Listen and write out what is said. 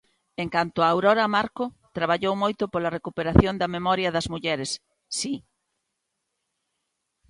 En canto a Aurora Marco, traballou moito pola recuperación da memoria das mulleres, si.